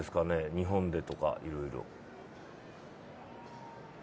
日本でとか、いろいろ。